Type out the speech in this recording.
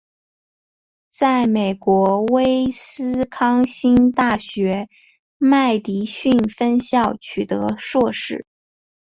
在美国威斯康辛大学麦迪逊分校取得硕士。